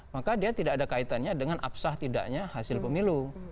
maka dia tidak ada kaitannya dengan apsah tidaknya hasil pemilu